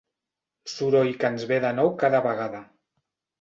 Soroll que ens ve de nou cada vegada.